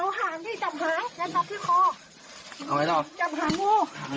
เอาหางนี่จับหางแล้วจับที่คอ